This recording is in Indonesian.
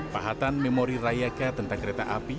pahatan memori rayaka tentang kereta api